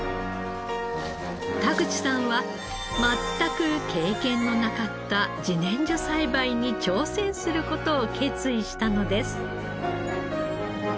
田口さんは全く経験のなかった自然薯栽培に挑戦する事を決意したのです。